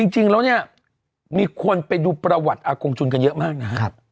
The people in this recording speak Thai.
จริงแล้วเนี่ยมีคนไปดูประวัติอากงจุนกันเยอะมากนะครับ